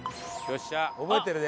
覚えてるね？